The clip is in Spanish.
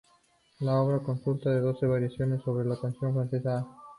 La obra consta de doce variaciones sobre la canción francesa "Ah!